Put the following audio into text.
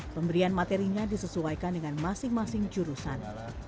pemberian materinya disesuaikan dengan masing masing jurusan